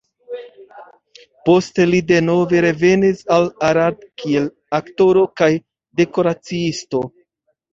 Poste li denove revenis al Arad kiel aktoro kaj dekoraciisto.